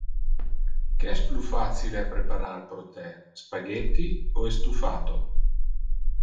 Que es plus facile a preparar pro te, spaghetti o estufato?